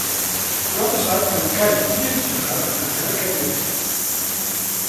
Demà passat en Cai i en Gerard aniran a Cabrils.